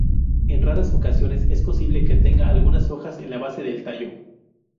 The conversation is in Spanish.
En raras ocasiones, es posible que tenga algunas hojas en la base del tallo.